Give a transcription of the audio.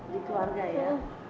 di keluarga ya